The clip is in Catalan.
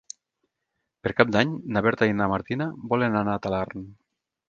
Per Cap d'Any na Berta i na Martina volen anar a Talarn.